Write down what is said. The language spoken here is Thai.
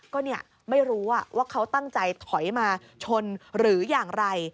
ก็เนี่ยไม่รู้ว่าเขาตั้งใจถอยมาชนหรืออย่างไร